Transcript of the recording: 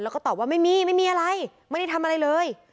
แล้วก็ตอบว่าไม่มีไม่มีอะไรไม่ได้ทำอะไรเลย